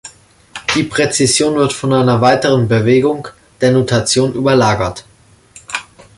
Die Präzession wird von einer weiteren Bewegung, der Nutation überlagert.